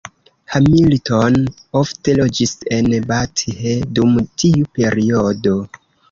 Hamilton ofte loĝis en Bath dum tiu periodo.